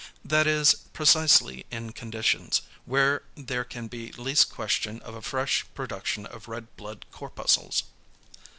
That is, precisely in conditions, where there can be least question of a fresh production of red blood corpuscles.